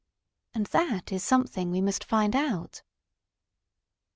And that is something we must find out.